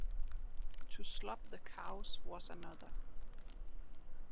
To slop the cows was another.